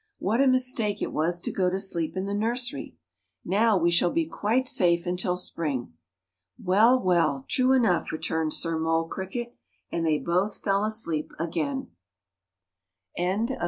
What a mistake it was to go to sleep in the nursery! Now we shall be quite safe until spring." "Well, well, true enough!" returned Sir Mole Cricket. And they both fell asleep again. SNOW BIRDS.